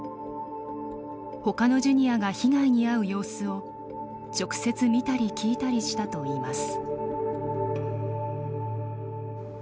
他のジュニアが被害に遭う様子を直接、見たり聞いたりしたといいます。